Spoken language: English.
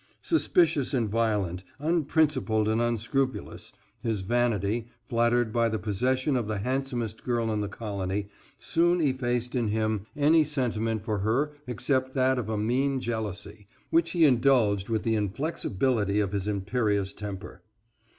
Suspicious and violent, unprincipled and unscrupulous, his vanity, flattered by the possession of the handsomest girl in the colony, soon effaced in him any sentiment for her except that of a mean jealousy, which he indulged with the inflexibility of his imperious temper.